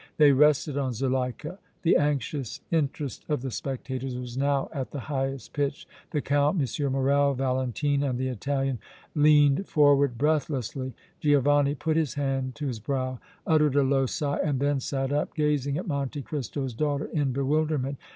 They rested on Zuleika. The anxious interest of the spectators was now at the highest pitch. The Count, M. Morrel, Valentine and the Italian leaned forward breathlessly. Giovanni put his hand to his brow, uttered a low sigh and then sat up, gazing at Monte Cristo's daughter in bewilderment.